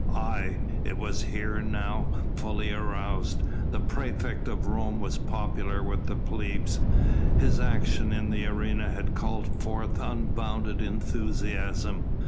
Aye! it was here now fully aroused. The praefect of Rome was popular with the plebs. His action in the arena had called forth unbounded enthusiasm.